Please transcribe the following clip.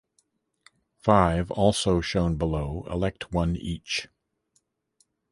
Five, also shown below, elect one each.